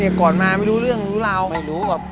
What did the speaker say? แต่ก่อนมาไม่รู้เรื่องรู้ราวไม่รู้แบบ